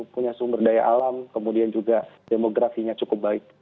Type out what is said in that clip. punya sumber daya alam kemudian juga demografinya cukup baik